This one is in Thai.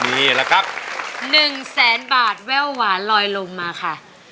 นี่แหละครับ๑แสนบาทแว่วหวานลอยลงมาค่ะ